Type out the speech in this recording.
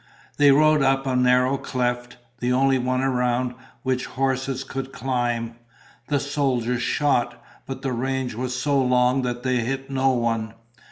They rode up a narrow cleft, the only one around which horses could climb. The soldiers shot, but the range was so long that they hit no one.